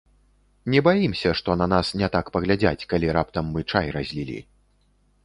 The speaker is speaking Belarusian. Не баімся, што на нас не так паглядзяць, калі, раптам, мы чай разлілі.